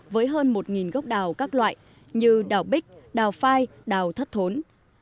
với hơn một gốc đào các loại như đào bích đào phai đào thất thốn